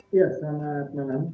iya selamat malam